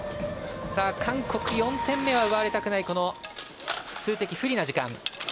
韓国４点目は奪われたくない数的不利な時間。